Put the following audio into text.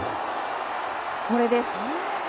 これです。